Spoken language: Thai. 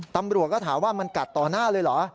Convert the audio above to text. ตำรวจก็ถามว่ามันกัดต่อหน้าเลยเหรอ